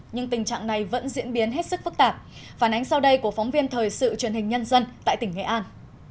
nhưng tình trạng này vẫn diễn biến hết sức phức tạp phản ánh sau đây của phóng viên thời sự truyền hình nhân dân tại tỉnh nghệ an